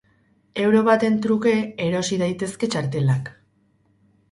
Euro baten truke erosi daitezke txartelak.